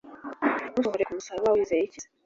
Ntusohore ku Musaraba, Wizey' iki se ?